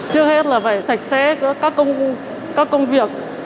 trước hết là phải sạch sẽ các công việc